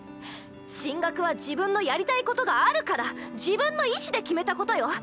進学は自分のやりたいことがあるから自分の意志で決めたことよ。